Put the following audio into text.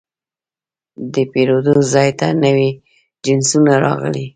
د پیرود ځای ته نوي جنسونه راغلي.